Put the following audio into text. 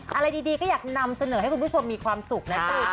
อะไรดีก็อยากนำเสนอให้คุณผู้ชมมีความสุขนะจ๊ะ